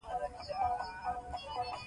نجلۍ له زړه خبرې کوي.